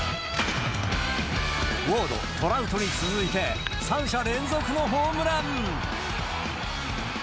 ウォード、トラウトに続いて、３者連続のホームラン。